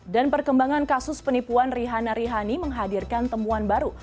dan perkembangan kasus penipuan rihanna rihani menghadirkan temuan baru